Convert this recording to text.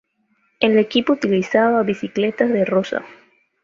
El equipo utilizaba bicicletas De Rosa.